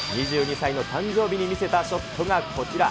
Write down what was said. ２２歳の誕生日に見せたショットがこちら。